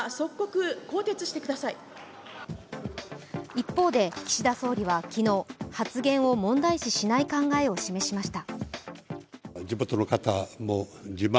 一方で、岸田総理は昨日発言を問題視しない考えを示しました。